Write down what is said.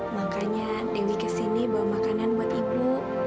makanya dewi kesini bawa makanan buat ibu